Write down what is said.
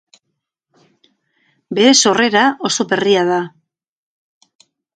Bere sorrera, oso berria da.